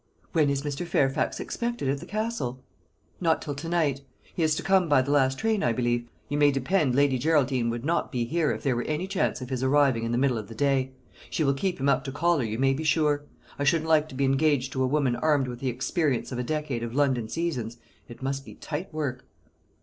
"When is Mr. Fairfax expected at the Castle?" "Not till to night. He is to come by the last train, I believe. You may depend Lady Geraldine would not be here if there were any chance of his arriving in the middle of the day. She will keep him up to collar, you maybe sure. I shouldn't like to be engaged to a woman armed with the experience of a decade of London seasons. It must be tight work!"